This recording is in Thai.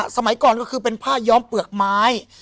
สมัยก่อนก็คือเป็นผ้าย้อมเปลือกไม้